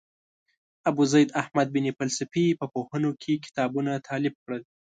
ابوزید احمد بن فلسفي په پوهنو کې کتابونه تالیف کړل.